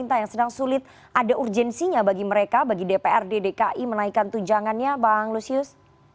ada urgensinya bagi mereka bagi dprd dki menaikkan tunjangannya bang lusius